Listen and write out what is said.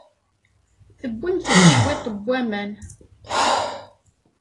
Tewwimt-d cwiṭ n waman.